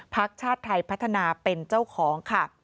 ชาติไทยพัฒนาเป็นเจ้าของค่ะ